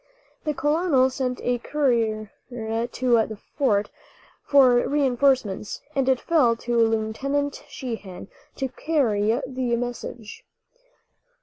The colonel sent a courier to the fort for reinforcements, and it fell to Lieutenant Sheehan to carry the message.